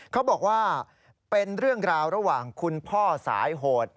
เขาบอกว่าเป็นเรื่องราวระหว่างคุณพ่อสายโหด